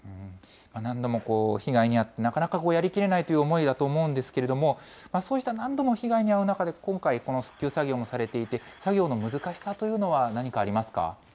何度も被害に遭って、なかなかこれ、やりきれない思いだと思うんですけれども、そうした何度も被害に遭う中で、今回、復旧作業もされていて、作業の難しさというのは、何かありますか。